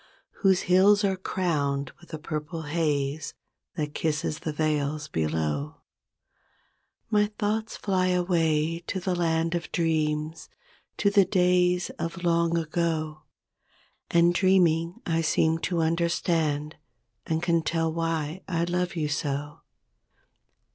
Whose hills are crowned with a purple haze That kisses the vales below; My thoughts fly away to the land of dreams, To the days of long ago; And, dreaming, I seem to understand And can tell why I love you so.